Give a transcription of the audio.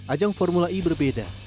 ajang formula i berbeda